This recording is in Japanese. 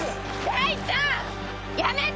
大ちゃん！